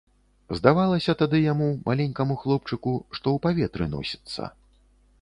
Здавалася тады яму, маленькаму хлопчыку, што ў паветры носіцца.